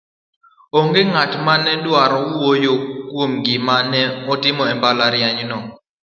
onge ng'at mane dwaro wuoyo kuom gima ne otimo jambalariany no